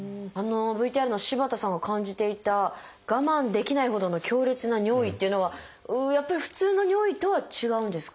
ＶＴＲの柴田さんが感じていた我慢できないほどの強烈な尿意っていうのはやっぱり普通の尿意とは違うんですか？